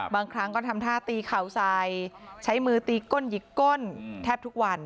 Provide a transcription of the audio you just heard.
บางครั้งก็ทำท่าตีเข่าใส่ใช้มือตีก้นหยิกก้นแทบทุกวัน